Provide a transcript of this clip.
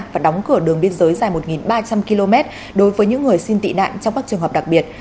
và đóng cửa đường biên giới dài một ba trăm linh km đối với những người xin tị nạn trong các trường hợp đặc biệt